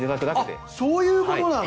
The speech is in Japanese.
あっそういうことなの？